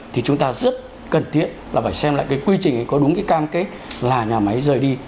thì chúng ta rất cần thiết là phải xem lại cái quy trình có đúng cái cam kết là nhà máy rời đi